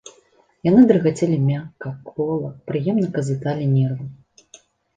Яны дрыгацелі мякка, квола, прыемна казыталі нервы.